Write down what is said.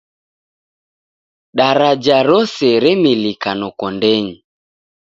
Daraja rose remilika noko ndenyi.